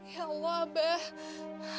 ya allah abah